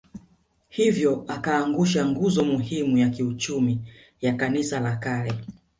Hivyo akaangusha nguzo muhimu ya kiuchumi ya Kanisa la kale